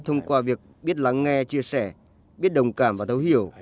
thông qua việc biết lắng nghe chia sẻ biết đồng cảm và thấu hiểu